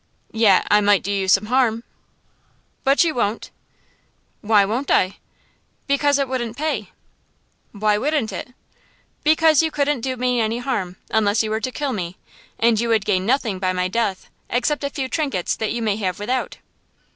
"Yet, I might do you some harm." "But, you won't!" "Why won't I?" "Because it won't pay!" "Why wouldn't it?" "Because you couldn't do me any harm, unless you were to kill me, and you would gain nothing by my death, except a few trinkets that you may have without."